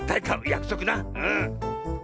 やくそくなうん。